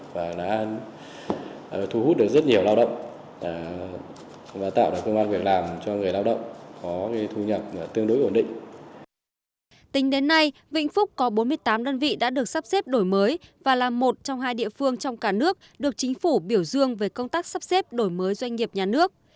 tính đến nay vĩnh phúc có bốn mươi tám đơn vị đã được sắp xếp đổi mới và là một trong hai địa phương trong cả nước được chính phủ biểu dương về công tác sắp xếp đổi mới doanh nghiệp nhà nước